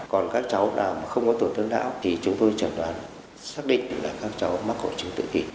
còn các cháu nào mà không có tổn thương não thì chúng tôi chẩn đoán